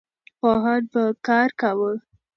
پوهان به کار کاوه.